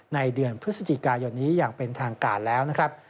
ในเดือนพฤศจิกายนนี้อย่างเป็นทางการแล้วนะครับ